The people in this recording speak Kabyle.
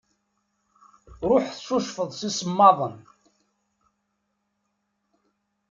Ṛuḥ tcucfeḍ s isemmaḍen.